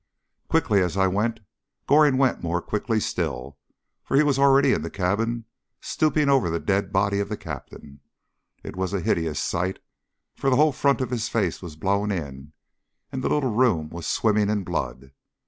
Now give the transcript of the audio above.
Quickly as I went, Goring went more quickly still, for he was already in the cabin stooping over the dead body of the Captain. It was a hideous sight, for the whole front of his face was blown in, and the little room was swimming in blood.